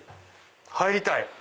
入りたい！